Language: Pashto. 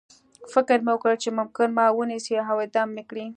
فکر مې وکړ چې ممکن ما ونیسي او اعدام مې کړي